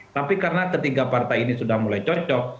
tapi karena ketiga partai ini sudah mulai cocok